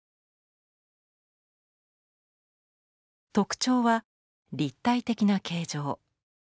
特徴は立体的な形状。